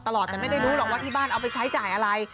ตลอดแต่ไม่ได้รู้หรอกว่าที่บ้านเอาไปใช้จ่ายอะไร